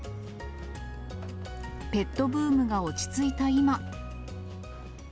ペットブームが落ち着いた今。